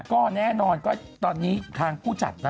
ก็แน่นอนก็ตอนนี้ทางผู้จัดนะ